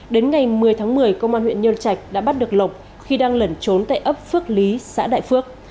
đến ngày một mươi tháng một mươi công an huyện nhân trạch đã bắt được lộc khi đang lẩn trốn tại ấp phước lý xã đại phước